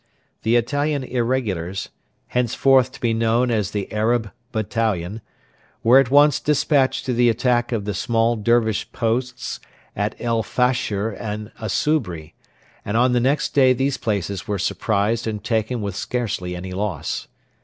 The Italian irregulars henceforth to be known as the Arab battalion were at once despatched to the attack of the small Dervish posts at El Fasher and Asubri, and on the next day these places were surprised and taken with scarcely any loss.